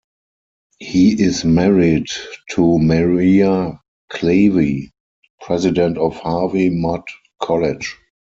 He is married to Maria Klawe, President of Harvey Mudd College.